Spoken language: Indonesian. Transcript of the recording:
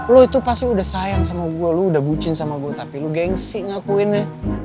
lu itu pasti udah sayang sama gue lu udah bucin sama gue tapi lu gengsi ngakuinnya